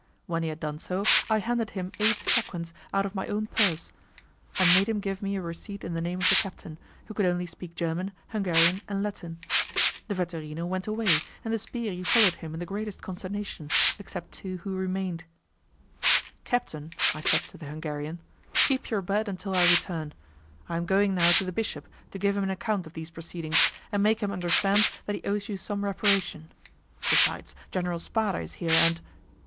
When he had done so, I handed him eight sequins out of my own purse, and made him give me a receipt in the name of the captain, who could only speak German, Hungarian, and Latin. The vetturino went away, and the 'sbirri' followed him in the greatest consternation, except two who remained. "Captain," I said to the Hungarian, "keep your bed until I return. I am going now to the bishop to give him an account of these proceedings, and make him understand that he owes you some reparation. Besides, General Spada is here, and...."